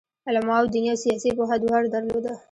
علماوو دیني او سیاسي پوهه دواړه درلوده.